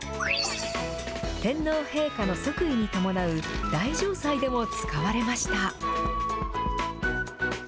天皇陛下の即位に伴う大嘗祭でも使われました。